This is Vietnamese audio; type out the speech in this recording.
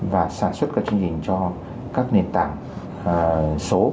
và sản xuất các chương trình cho các nền tảng số